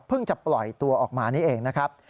จะปล่อยตัวออกมานี่เองนะครับ